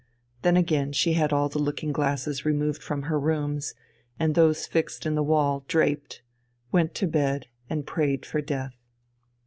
Then again she had all the looking glasses removed from her rooms, and those fixed in the wall draped, went to bed and prayed for death.